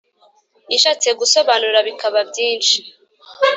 ishatse gusobanura bikaba byinshi.